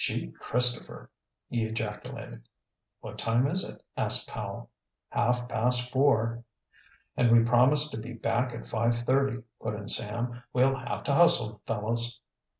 "Gee Christopher!" he ejaculated. "What time is it?" asked Powell. "Half past four." "And we promised to be back at five thirty!" put in Sam. "We'll have to hustle, fellows."